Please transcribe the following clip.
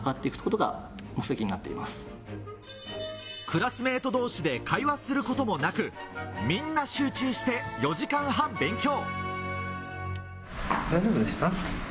クラスメイト同士で会話することもなく、みんな集中して、４時間半勉強。